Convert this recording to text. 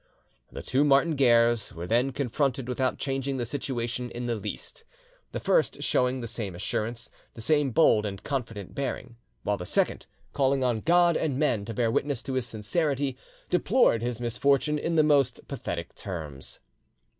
The two Martin Guerres were then confronted without changing the situation in the least; the first showing the same assurance, the same bold and confident bearing; while the second, calling on God and men to bear witness to his sincerity, deplored his misfortune in the most pathetic terms.